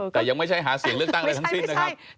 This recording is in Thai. แต่ยังไม่ใช่หาเสียงเลือกตั้งอะไรทั้งสิ้นนะครับ